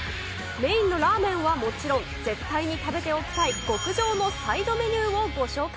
メインのラーメンはもちろん、絶対に食べておきたい極上のサイドメニューをご紹介。